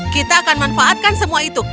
kita akan manfaatkan semua itu